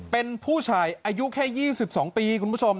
เป็นผู้ชายอายุแค่ยี่สิบสองปีคุณผู้ชม